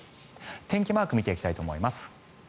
天気マークを見ていきたいと思います。